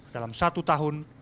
dalam satu tahun